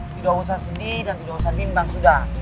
tidur usah seni dan tidur usah bimbang sudah